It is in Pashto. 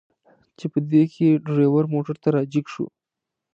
چې په دې کې ډریور موټر ته را جګ شو.